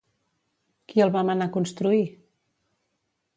Qui el va manar construir?